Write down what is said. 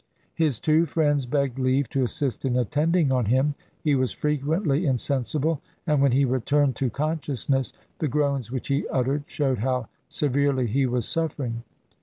His two friends begged leave to assist in attending on him; he was frequently insensible, and when he returned to consciousness the groans which he uttered showed how severely he was suffering.